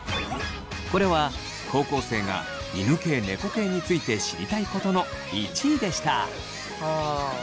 これは高校生が犬系・猫系について知りたいことの１位でした。